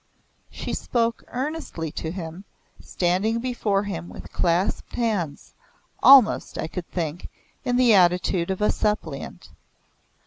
She spoke earnestly to him, standing before him with clasped hands, almost, I could think, in the attitude of a suppliant.